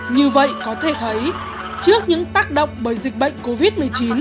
như vậy có thể thấy trước những tác động bởi dịch bệnh covid một mươi chín